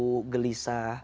kalau kita mengeluh gelisah